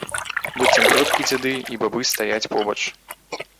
Быццам продкі-дзяды і бабы стаяць побач.